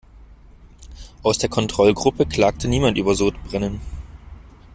Aus der Kontrollgruppe klagte niemand über Sodbrennen.